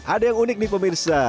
ada yang unik nih pemirsa